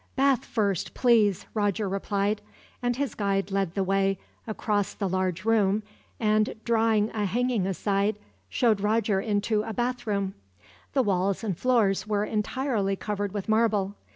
"Bath first, please," Roger replied; and his guide led the way across the large room and, drawing a hanging aside, showed Roger into a bathroom. The walls and floors were entirely covered with marble.